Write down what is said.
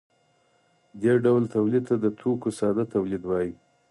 دې ډول تولید ته د توکو ساده تولید وايي.